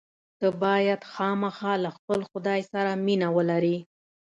ته باید خامخا له خپل خدای سره مینه ولرې.